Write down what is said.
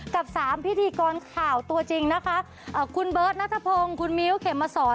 กับสามพิธีกรข่าวตัวจริงนะคะคุณเบิร์ตนัทพงศ์คุณมิ้วเข็มมาสอน